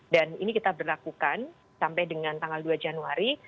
dan ini kita berlakukan sampai dengan tanggal dua januari